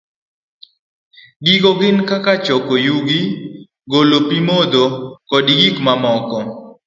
Gigo gin kaka choko yugi, golo pi modho, kod gik mamoko.